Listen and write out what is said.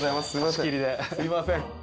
すいません。